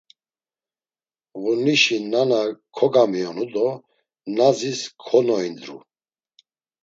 Ğunişe nana kogamiyonu do Nazis konoindru.